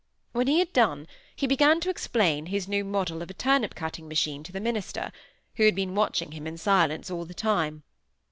When he had done, he began to explain his new model of a turnip cutting machine to the minister, who had been watching him in silence all the time.